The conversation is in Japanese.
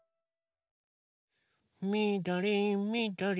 みどりみどり。